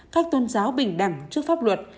các tôn giáo bình đẳng trước pháp luật